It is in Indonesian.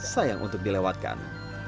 sayang untuk dilewatkan